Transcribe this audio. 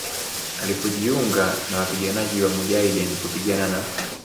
alipojiunga na wapiganaji wa mujahideen kupigana na